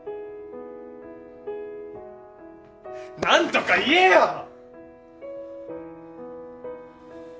何とか言えよ！